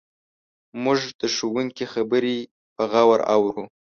موږ د ښوونکي خبرې په غور اورو.